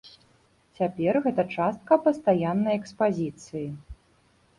Цяпер гэта частка пастаяннай экспазіцыі.